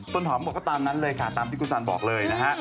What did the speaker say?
หอมบอกก็ตามนั้นเลยค่ะตามที่คุณสันบอกเลยนะฮะ